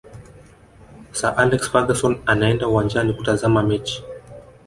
sir alex ferguson anaenda uwanjani kutazama mechi